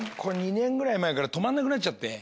２年ぐらい前から止まらなくなっちゃって。